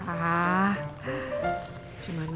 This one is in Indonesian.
ah cuma makan doang